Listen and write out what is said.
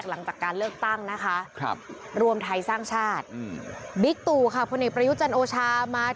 และก็จะสามารถจอะ